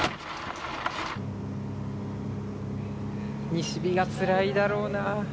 西日がつらいだろうな。